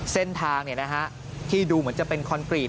เส้นทางที่ดูเหมือนจะเป็นคอนกรีต